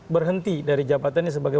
berhenti dari jabatan sebagai